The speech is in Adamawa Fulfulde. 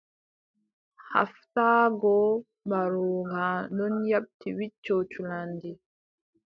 Haaftaago mbarooga non yaaɓti wicco culanndi.